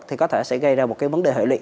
thì có thể sẽ gây ra một cái vấn đề hợi lị